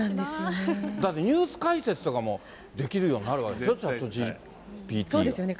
だってニュース解説なんかもできるようになるわけでしょ、チャッそうですよね。